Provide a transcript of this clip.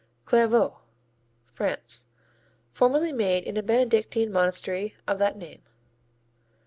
Clairvaux France Formerly made in a Benedictine monastery of that name.